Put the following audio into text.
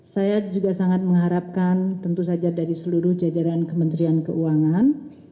saya juga sangat mengharapkan tentu saja dari seluruh jajaran kementerian keuangan